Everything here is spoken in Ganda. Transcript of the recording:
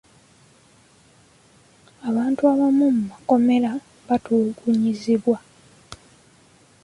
Abantu abamu mu makomera batulugunyizibwa.